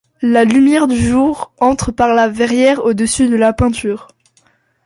La lumière du jour entre par la verrière au-dessus de la peinture.